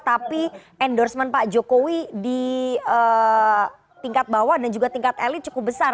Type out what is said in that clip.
tapi endorsement pak jokowi di tingkat bawah dan juga tingkat elit cukup besar